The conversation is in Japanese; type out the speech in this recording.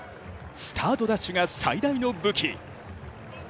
スタートダッシュが最大の武器。